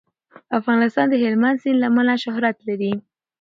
افغانستان د هلمند سیند له امله شهرت لري.